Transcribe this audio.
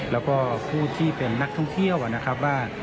แล้วก็ผู้ที่เป็นนักท่องเที่ยวนะครับว่า